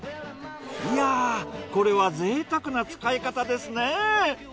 いやこれはぜいたくな使い方ですね。